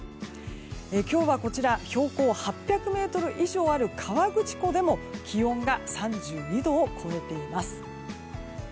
今日は、標高８００ｍ以上あるこちら、河口湖でも気温が３２度を超えています。